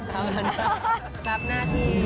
กรับหน้าที่